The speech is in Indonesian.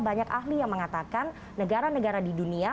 banyak ahli yang mengatakan negara negara di dunia